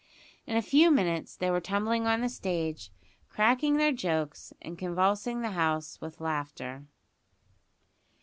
In a few minutes they were tumbling on the stage, cracking their jokes, and convulsing the house with laughter.